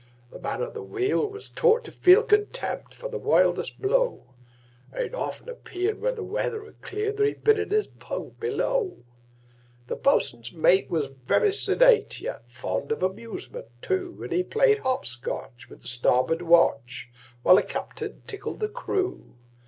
The man at the wheel was taught to feel Contempt for the wildest blow, And it often appeared, when the weather had cleared, That he'd been in his bunk below. The boatswain's mate was very sedate, Yet fond of amusement, too; And he played hop scotch with the starboard watch, While the captain tickled the crew.